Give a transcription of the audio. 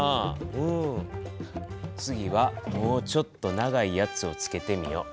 次はもうちょっと長いやつをつけてみよう。